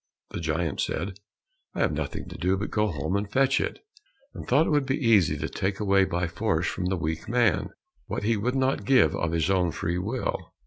The giant said, "I have nothing to do but go home and fetch it," and thought it would be easy to take away by force from the weak man, what he would not give of his own free will.